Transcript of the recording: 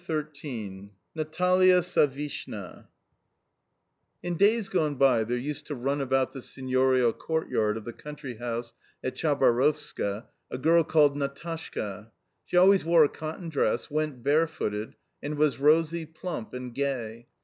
XIII NATALIA SAVISHNA In days gone by there used to run about the seignorial courtyard of the country house at Chabarovska a girl called Natashka. She always wore a cotton dress, went barefooted, and was rosy, plump, and gay.